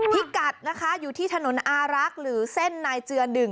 พิกัดนะคะอยู่ที่ถนนอารักษ์หรือเส้นนายเจือ๑